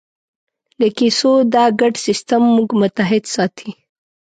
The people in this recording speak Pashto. د کیسو دا ګډ سېسټم موږ متحد ساتي.